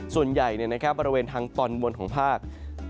ส่วนใหญ่บริเวณทางตอนบนของภาค